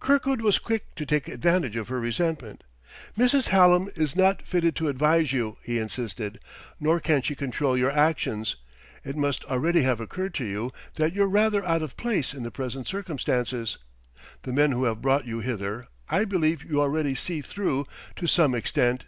Kirkwood was quick to take advantage of her resentment. "Mrs. Hallam is not fitted to advise you," he insisted, "nor can she control your actions. It must already have occurred to you that you're rather out of place in the present circumstances. The men who have brought you hither, I believe you already see through, to some extent.